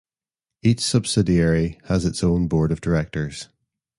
Each subsidiary has its own board of directors.